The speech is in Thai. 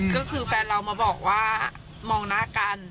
ก็คือแฟนเรามาบอกว่ามองหน้ากัน